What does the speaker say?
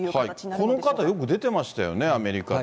この方、よく出てましたよね、アメリカと。